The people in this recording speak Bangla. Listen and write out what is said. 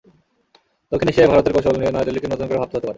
দক্ষিণ এশিয়ায় ভারতের কৌশল নিয়ে নয়াদিল্লিকে নতুন করে ভাবতে হতে পারে।